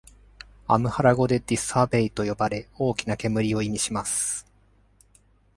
アムハラ語でティス・アベイと呼ばれ、「大きな煙」を意味します。